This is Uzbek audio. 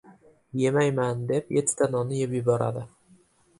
• “Emayman” deb yettita nonni yeb yuboradi.